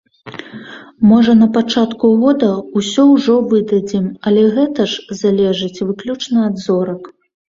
Можа на пачатку года ўсё ўжо выдадзім, але гэта ж залежыць выключна ад зорак.